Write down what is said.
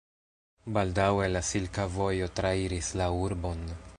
Baldaŭe la silka vojo trairis la urbon.